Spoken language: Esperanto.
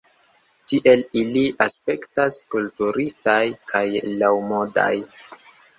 Tiel ili aspektas kulturitaj kaj laŭmodaj.